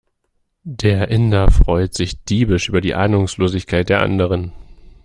Der Inder freut sich diebisch über die Ahnungslosigkeit der anderen.